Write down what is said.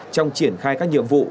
trong triển khai các nhiệm vụ